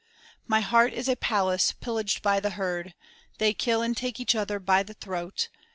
My heart is a palace pillaged by the herd; They kill and take each other by the throat!